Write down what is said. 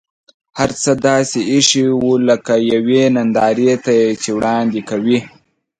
هر څه داسې اېښي و لکه یوې نندارې ته یې چې وړاندې کوي.